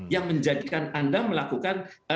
yang menjadikan anda melakukan